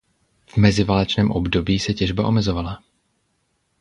V meziválečném období se těžba omezovala.